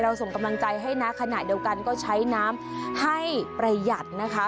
ส่งกำลังใจให้นะขณะเดียวกันก็ใช้น้ำให้ประหยัดนะคะ